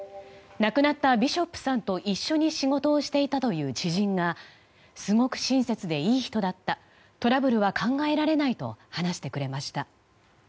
亡くなったビショップさんと一緒に仕事をしていたという知人がすごく親切でいい人だったトラブルは考えられないと話してくれました。